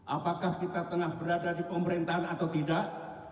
apakah kita tengah berada di pemerintahan atau tidak